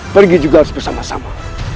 pergi juga harus bersama sama